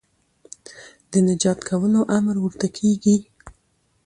د نجات کولو امر ورته کېږي